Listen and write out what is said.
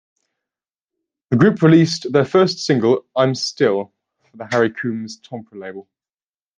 The group released their first single, "I'm Still", for Harry Coombes's Tempre label.